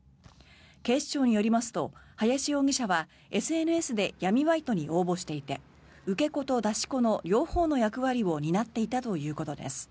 警視庁によりますと林容疑者はＳＮＳで闇バイトに応募していて受け子と出し子の両方の役割を担っていたということです。